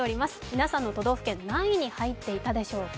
皆さんの都道府県、何位に入っていたでしょうか。